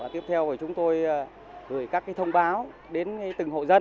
tiếp theo chúng tôi gửi các thông báo đến từng hộ dân